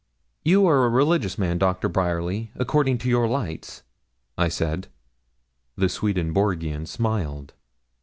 'You are a religious man, Doctor Bryerly, according to your lights?' I said. The Swedenborgian smiled.